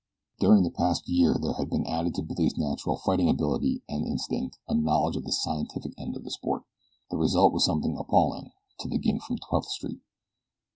During the past year there had been added to Billy's natural fighting ability and instinct a knowledge of the scientific end of the sport. The result was something appalling to the gink from Twelfth Street.